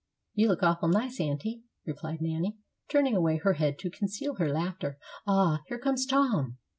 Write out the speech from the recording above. "You look awful nice, aunty," replied Nanny, turning away her head to conceal her laughter. "Ah! here comes Tom."